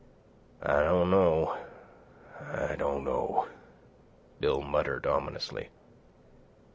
"I don't know, I don't know," Bill muttered ominously.